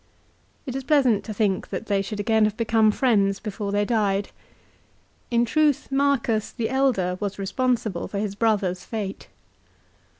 It is pleasant to think that they should again have become friends before they died. In truth Marcus the elder was responsible for his brother's fate.